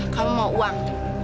kamu mau uang